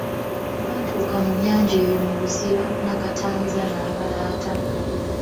Bwe baatuuka mu nnyanja eyo mu buziba Nakatanza n'abalaata.